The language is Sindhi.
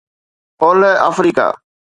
اولهه آفريڪا